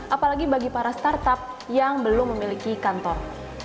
apalagi bagi para startup yang belum memiliki kantor